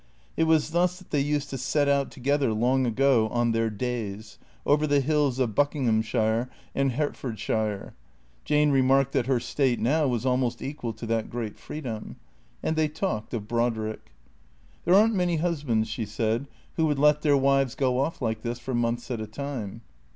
It was thus that they used to set out together long ago, on their " days," over the hills of Buckinghamshire and Hertfordshire. Jane remarked that her state now was almost equal to that great freedom. And they talked of Brodrick. THE CREATORS 469 " There are n't many husbands/' she said, " who would let their wives go off like this for months at a time."